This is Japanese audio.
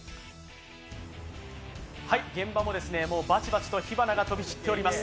現場もバチバチと火花が飛び散っております。